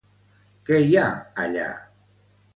Què hi ha allà?